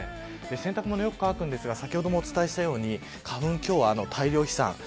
洗濯物、よく乾くんですが先ほどもお伝えしたように花粉、今日は大量飛散。